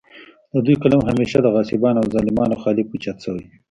د دوي قلم همېشه د غاصبانو او ظالمانو خالف اوچت شوے دے